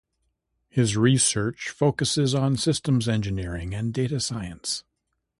His research focuses on systems engineering and data science.